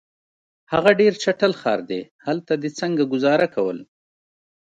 هغه ډېر چټل ښار دی، هلته دي څنګه ګذاره کول؟